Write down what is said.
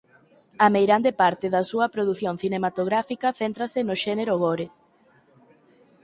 A meirande parte da súa produción cinematográfica céntrase no xénero gore.